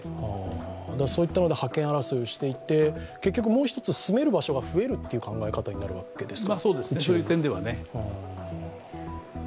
覇権争いをしていって結局、もう一つ住める場所が増えるという考え方になるわけですか。